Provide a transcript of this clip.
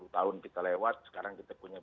dua puluh tahun kita lewat sekarang kita punya